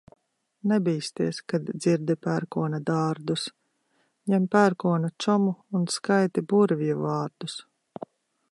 Nebīsties, kad dzirdi pērkona dārdus, ņem pērkona čomu un skaiti burvju vārdus.